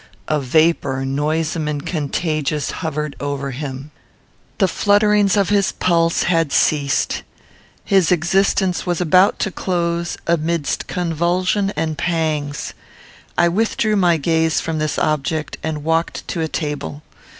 A vapour, noisome and contagious, hovered over him. The flutterings of his pulse had ceased. His existence was about to close amidst convulsion and pangs. I withdrew my gaze from this object, and walked to a table.